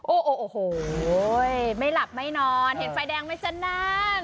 โอ้โหไม่หลับไม่นอนเห็นไฟแดงไหมจ๊ะนาน